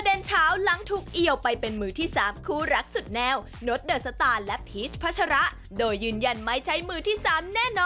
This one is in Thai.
เราเป็นผู้หญิงเราก็จะเสียหาย